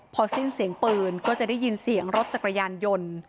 พอสิ้นเสียงปืนก็จะได้ยินเสียงรถจักรยานยนต์